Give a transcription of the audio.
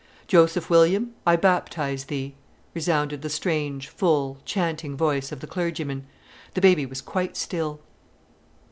"Joseph William, I baptize thee...." resounded the strange, full, chanting voice of the clergyman. The baby was quite still.